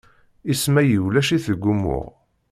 Isem-ayi ulac-it deg umuɣ.